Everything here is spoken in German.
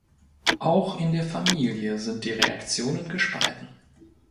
Auch in der Familie sind die Reaktionen gespalten.